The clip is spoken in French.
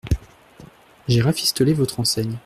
J’ai rafistolé votre enseigne.